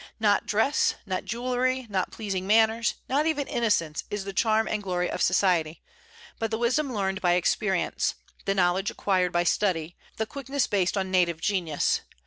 Not dress, not jewelry, not pleasing manners, not even innocence, is the charm and glory of society; but the wisdom learned by experience, the knowledge acquired by study, the quickness based on native genius.